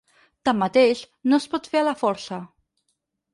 Tanmateix, no es pot fer a la força.